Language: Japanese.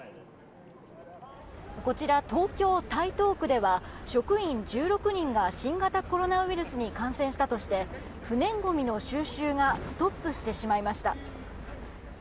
こちら東京・台東区では職員１６人が新型コロナウイルスに感染したとして不燃ごみの収集がストップしてしまいました。